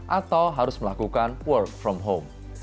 atau harus melakukan work from home